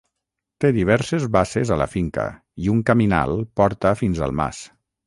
Té diverses basses a la finca, i un caminal porta fins al mas.